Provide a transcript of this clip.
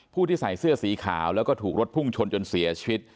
ที่ใส่เสื้อสีขาวแล้วก็ถูกรถพุ่งชนจนเสียชีวิต